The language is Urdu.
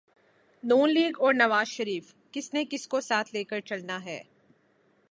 نون لیگ اور نوازشریف کس نے کس کو ساتھ لے کے چلنا ہے۔